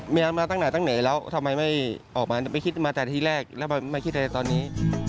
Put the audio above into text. มาตั้งไหนตั้งไหนแล้วทำไมไม่ออกมาไม่คิดมาแต่ทีแรกแล้วไม่คิดอะไรตอนนี้